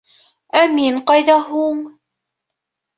Ә МИН ҠАЙҘА ҺУҢ?